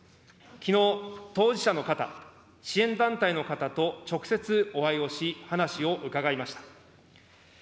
きのう、当事者の方、支援団体の方と直接お会いをし、話を伺いました。